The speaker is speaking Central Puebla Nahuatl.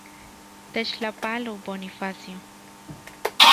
Techtlajpalo, Bonifacio.